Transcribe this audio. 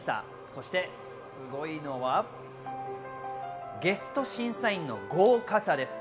そしてすごいのは、ゲスト審査員の豪華さです。